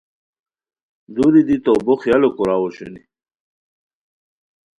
دُوری دی تو بو خیالو کوراؤ اوشونی